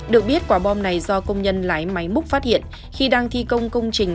được biết quả bom này do công nhân lái máy múc phát hiện khi đang thi công công trình